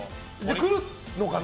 来るのかな？